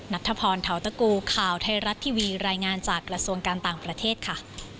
นัทธพรเทาตะกูข่าวไทยรัฐทีวีรายงานจากกระทรวงการต่างประเทศค่ะ